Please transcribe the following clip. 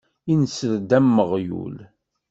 Inser-d am uɣyul.